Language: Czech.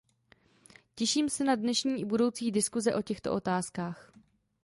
Těším se na dnešní i budoucí diskuse o těchto otázkách.